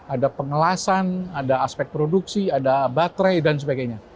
ada pengelasan ada aspek produksi ada baterai dan sebagainya